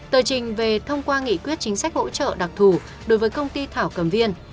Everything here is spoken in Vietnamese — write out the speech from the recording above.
tờ trình về thông qua nghị quyết chính sách hỗ trợ đặc thù đối với công ty thảo cầm viên